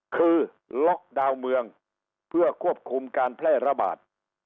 คือล็อกดาวน์เมืองเพื่อควบคุมการแพร่ระบาด